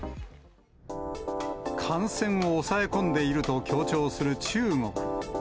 感染を抑え込んでいると強調する中国。